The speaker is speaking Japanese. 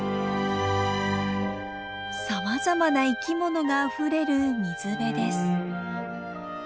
さまざまな生き物があふれる水辺です。